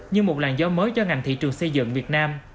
như một làn gió mới cho ngành thị trường xây dựng việt nam